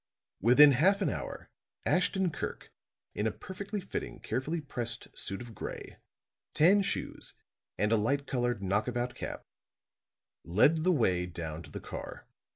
Within half an hour, Ashton Kirk, in a perfectly fitting, carefully pressed suit of gray, tan shoes and a light colored knock about cap, led the way down to the car.